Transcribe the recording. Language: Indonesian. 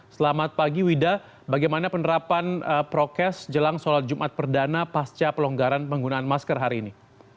selamat pagi wida bagaimana penerapan prokes jelang sholat jumat perdana pasca pelonggaran penggunaan masker hari ini